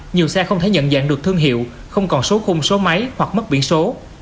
nhiều xe không thể nhận dạng được thương hiệu không còn số khung số máy hoặc mất biển số